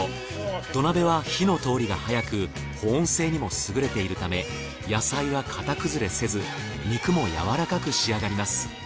土鍋は火の通りが早く保温性にも優れているため野菜は形崩れせず肉も柔らかく仕上がります。